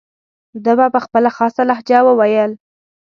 ده به په خپله خاصه لهجه وویل.